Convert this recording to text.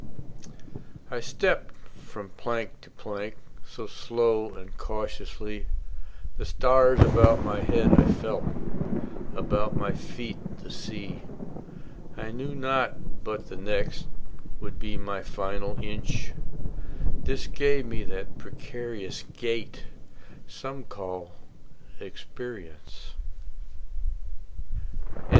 I stepped from plank to plank So slow and cautiously; The stars about my head I felt, About my feet the sea. I knew not but the next Would be my final inch, This gave me that precarious gait Some call experience. LIV.